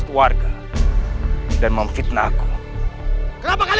tidak ada bahaya maka apapun yang ada berganti